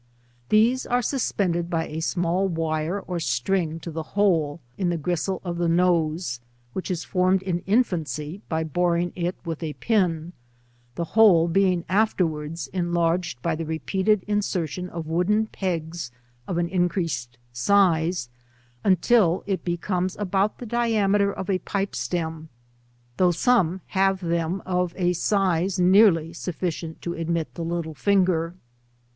These are supsended by a small wire or string to the hole, in the gristle of the nose, which is formed in •infancy, by boreing it with a pin, the hole being altervrards ©nlargsfl by the repeated insertion of wooden pegs of an increased size, until it become* about the diameter of a pipe stem, though some have them of a size nearly sufficient to admit the little finger.